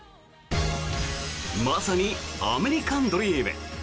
まさにアメリカンドリーム。